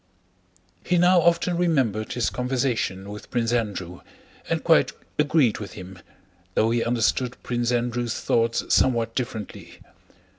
He now often remembered his conversation with Prince Andrew and quite agreed with him, though he understood Prince Andrew's thoughts somewhat differently.